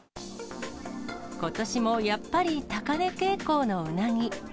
ことしもやっぱり高値傾向のうなぎ。